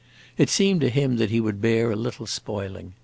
It seemed to him that he would bear a little spoiling.